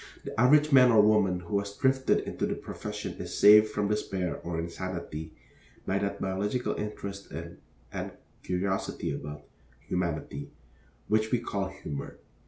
The average man or woman who has drifted into the profession is saved from despair or insanity by that biological interest in, and curiosity about, humanity, which we call humor.